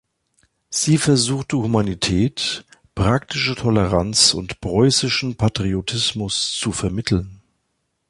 Sie versuchte Humanität, praktische Toleranz und preußischen Patriotismus zu vermitteln.